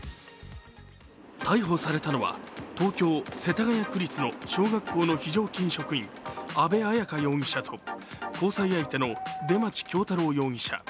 逮捕されたのは東京・世田谷区立の小学校の非常勤職員、安部綾香容疑者と、交際相手の出町恭太郎容疑者。